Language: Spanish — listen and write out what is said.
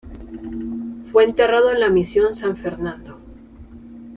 Fue enterrado en la misión San Fernando.